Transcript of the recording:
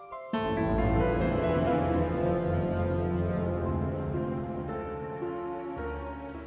kamu teh tenen naon